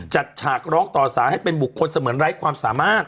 ฉากร้องต่อสารให้เป็นบุคคลเสมือนไร้ความสามารถ